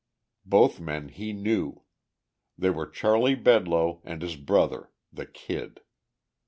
Both men he knew. They were Charley Bedloe and his brother, the Kid.